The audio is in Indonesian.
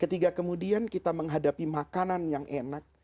ketika kemudian kita menghadapi makanan yang enak